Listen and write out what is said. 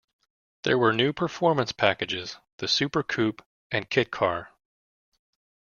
There were new performance packages, the Super Coupe and Kit Car.